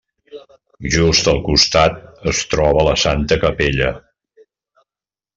Just al costat es troba la Santa Capella.